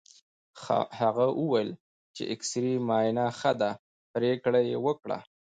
هغه وویل چې د اېکسرې معاینه ښه ده، پرېکړه یې وکړه.